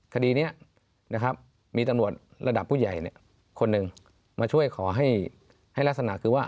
คดีนี้มีต่างวัลระดับผู้ใหญ่คนหนึ่งมาช่วยขอให้ลักษณะให้เบรก